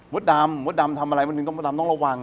มดดำทำอะไรมดดำต้องระวัง